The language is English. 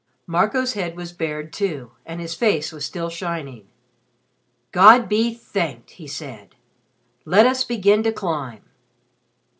Marco's head was bared, too, and his face was still shining. "God be thanked!" he said. "Let us begin to climb."